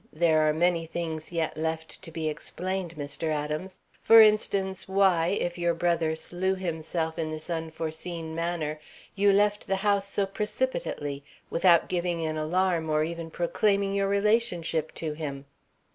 There are many things yet left to be explained, Mr. Adams; for instance, why, if your brother slew himself in this unforeseen manner, you left the house so precipitately, without giving an alarm or even proclaiming your relationship to him?"